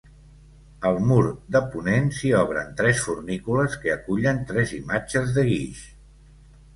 Al mur de ponent s'hi obren tres fornícules que acullen tres imatges de guix.